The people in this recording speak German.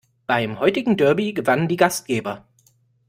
Beim heutigen Derby gewannen die Gastgeber.